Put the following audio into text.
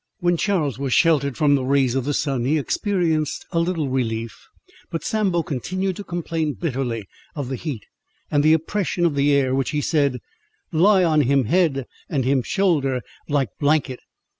When Charles was sheltered from the rays of the sun, he experienced a little relief, but Sambo continued to complain bitterly of the heat, and the oppression of the air, which, he said—"lie on him head, and him shoulder, like blanket."